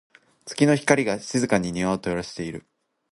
月の光が、静かに庭を照らしている。